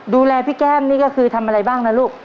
ดูแลพี่แก้มนี่ก็คือทำอะไรบ้างนะลูก